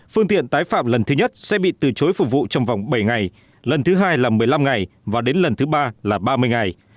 phương tiện tái phạm lần thứ nhất sẽ bị từ chối phục vụ trong vòng bảy ngày lần thứ hai là một mươi năm ngày và đến lần thứ ba là ba mươi ngày